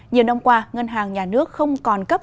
nhiều năm qua ngân hàng nhà nước không còn cấp